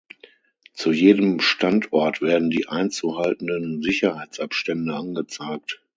Zu jedem Standort werden die einzuhaltenden Sicherheitsabstände angezeigt.